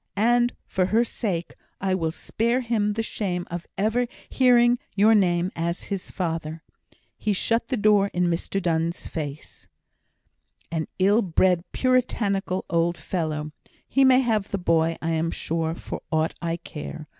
And for her sake, I will spare him the shame of ever hearing your name as his father." He shut the door in Mr Donne's face. "An ill bred, puritanical old fellow! He may have the boy, I am sure, for aught I care.